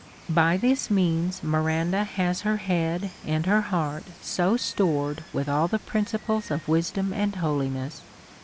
By this means Miranda has her head and heart stored with all the principles of wisdom and holiness.